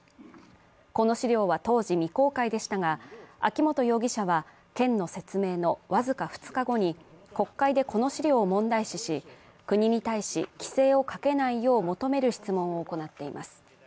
この資料は当時未公開でしたが、秋本容疑者は、県の説明の僅か２日後に国会でこの資料を問題視し、国に対し、規制をかけないよう求める質問を行っています。